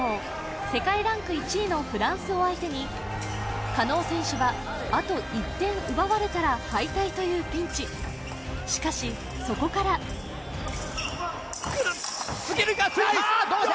世界ランク１位のフランスを相手に加納選手はあと１点奪われたら敗退というピンチしかしそこから突けるかさあ同点！